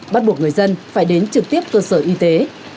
bắt buộc người dân phải đến trực tiếp cơ sở y tế